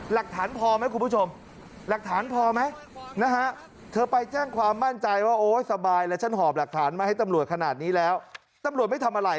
หลักฐานพอไหมคุณผู้ชมหลักฐานพอไหม